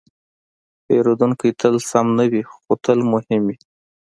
پیرودونکی تل سم نه وي، خو تل مهم وي.